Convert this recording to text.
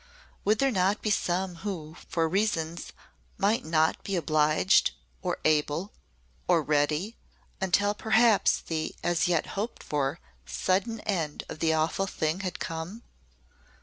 Would there not be some who, for reasons, might not be obliged or able or ready until perhaps the, as yet hoped for, sudden end of the awful thing had come?